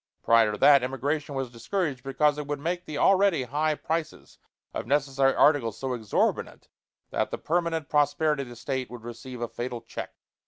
Prior to that, immigration was discouraged because it would make the already high prices of necessary articles so exorbitant that the permanent prosperity of the State would receive a fatal check.